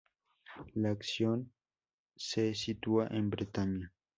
La acción se sitúa en Bretaña.